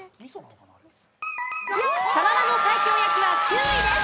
サワラの西京焼きは９位です。